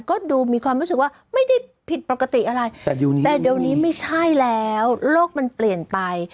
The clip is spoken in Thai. ก็ดูมีความรู้สึกว่าไม่ได้ผิดปกติอะไรแต่เดี๋ยวนี้ไม่ใช่แล้วโลกมันเปลี่ยนไป